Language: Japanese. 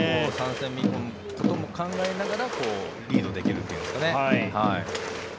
３戦目のことも考えながらリードできるというんですかね。